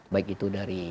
baik itu dari